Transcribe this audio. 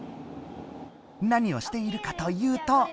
何をしているかというと。